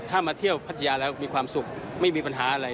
ถ้ามาเที่ยวพัทยาแล้วมีความสุขไม่มีปัญหาอะไร